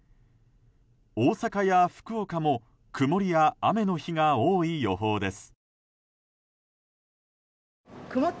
大阪や福岡も曇りや雨の日が多い予報です。